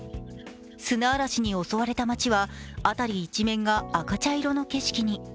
砂嵐に襲われた街は、辺り一面が赤茶色の景色に。